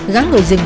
gắn người dân